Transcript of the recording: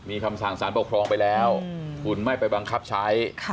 มีคำสั่งสารปกครองไปแล้วคุณไม่ไปบังคับใช้